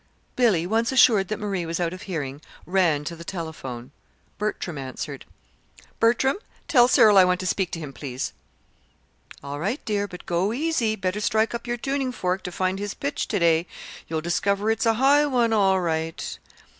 Billy, once assured that Marie was out of hearing, ran to the telephone. Bertram answered. "Bertram, tell Cyril I want to speak to him, please." "All right, dear, but go easy. Better strike up your tuning fork to find his pitch to day. You'll discover it's a high one, all right."